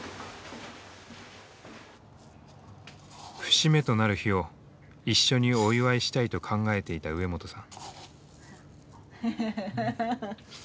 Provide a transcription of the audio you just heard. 節目となる日を一緒にお祝いしたいと考えていた植本さん。